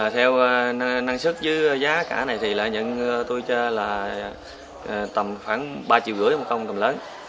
theo năng suất giữa giá cả này thì tôi cho là tầm khoảng ba năm trăm linh đồng một công tầm lớn